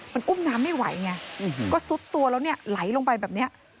มันอุ้มน้ำไม่ไหวไงก็ซุดตัวแล้วเนี่ยไหลลงไปแบบนี้